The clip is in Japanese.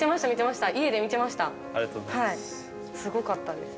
すごかったです。